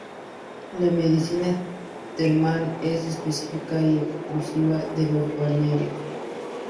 La Medicina Termal es específica y exclusiva de los balnearios.